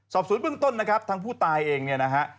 ศูนย์เบื้องต้นนะครับทางผู้ตายเองเนี่ยนะฮะ